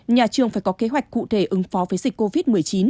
nhà trường phải có kế hoạch cụ thể ứng phó với dịch covid một mươi chín